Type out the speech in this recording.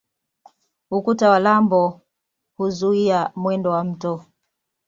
Ukuta wa lambo huzuia mwendo wa mto.